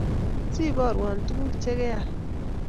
Siborwon tuguk chegeal